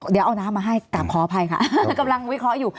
เดี๋ยวเอาน้ำมาให้กลับขออภัยค่ะกำลังวิเคราะห์อยู่